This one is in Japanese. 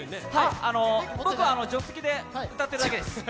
僕は助手席で歌ってるだけです。